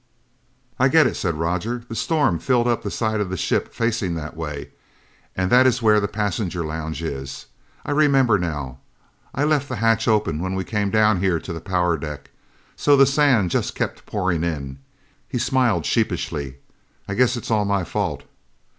"I get it!" said Roger. "The storm filled up the side of the ship facing that way, and that is where the passenger lounge is. I remember now. I left the hatch open when we came down here to the power deck, so the sand just kept pouring in." He smiled sheepishly. "I guess it's all my fault."